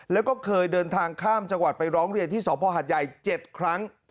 แล้วก็เคยเดินทางข้ามจังหวัดไปร้องเรียนที่สภหัดใหญ่๗ครั้ง